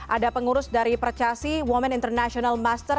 ada pengurus dari percasi women international master